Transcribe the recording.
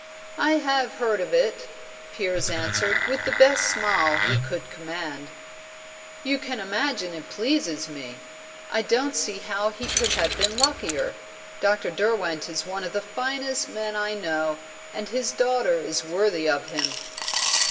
"I have heard of it," Piers answered, with the best smile he could command. "You can imagine it pleases me. I don't see how he could have been luckier. Dr. Derwent is one of the finest men I know, and his daughter is worthy of him."